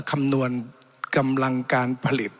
คำนวณกำลังการผลิต